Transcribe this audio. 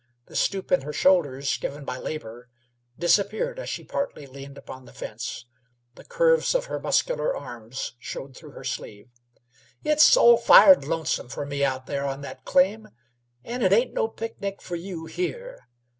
The stoop in her shoulders, given by labor, disappeared as she partly leaned upon the fence. The curves of her muscular arms showed through her sleeve. "It's all fired lonesome f'r me out there on that claim, and it ain't no picnic f'r you here.